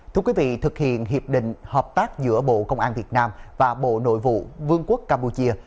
thưa quý vị thực hiện hiệp định hợp tác giữa bộ công an việt nam và bộ nội vụ vương quốc campuchia